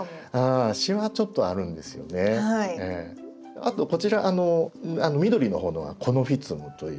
あとこちら緑の方のはコノフィツムという。